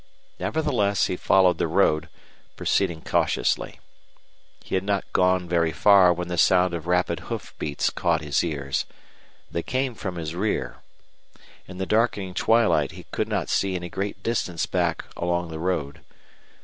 Nevertheless, he followed the road, proceeding cautiously. He had not gone very far when the sound of rapid hoof beats caught his ears. They came from his rear. In the darkening twilight he could not see any great distance back along the road.